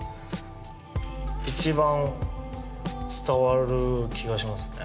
一番伝わる気がしますね